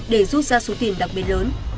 để rút ra số tiền đặc biệt lớn